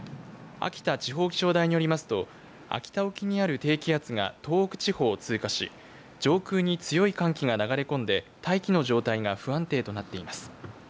秋田地方気象台によりますと秋田沖にある低気圧が東北地方を通過し上空に強い寒気が流れ込んで大気の状態が不安定となっています。